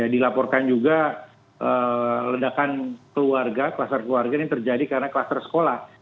dilaporkan juga ledakan keluarga kluster keluarga ini terjadi karena kluster sekolah